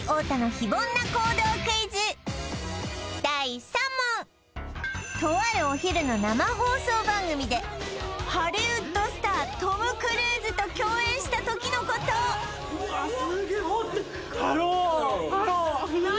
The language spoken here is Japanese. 第３問ねとあるお昼の生放送番組でハリウッドスタートム・クルーズと共演した時のことうわっすっげえハローハロー